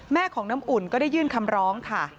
ของน้ำอุ่นก็ได้ยื่นคำร้องค่ะ